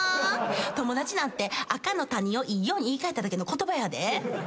友達なんて赤の他人をいいように言い換えただけの言葉やで。